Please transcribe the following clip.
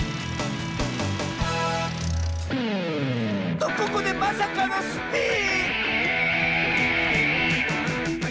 とここでまさかのスピン！